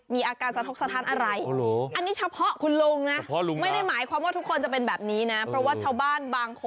พี่ต่อตายลุงอันนั้นก็จะนำรังต่อ